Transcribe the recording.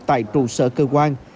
tại trụ sở cơ quan